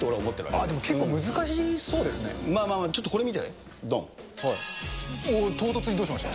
ああ、でも結構難しそうですまあまあ、ちょっとこれ見て、おう、きました。